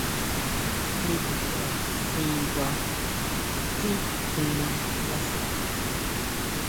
Mi te kʼua sʼí baá tsí ju maa ngasʼa.